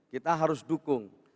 kita harus dukung